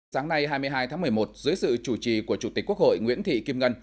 sáng nay hai mươi hai tháng một mươi một dưới sự chủ trì của chủ tịch quốc hội nguyễn thị kim ngân